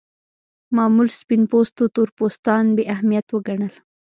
معمول سپین پوستو تور پوستان بې اهمیت وګڼل.